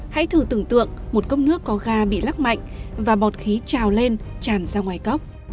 hãy thử tưởng tượng một cốc nước có ga bị lắc mạnh và bọt khí trào lên tràn ra ngoài cốc